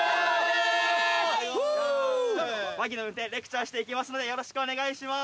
バギーの運転レクチャーしていきますのでよろしくお願いします。